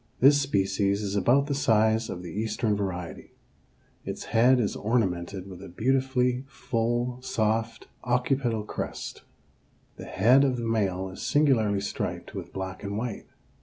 This species is about the size of the eastern variety. Its head is ornamented with a beautifully full, soft occipital crest. The head of the male is singularly striped with black and white.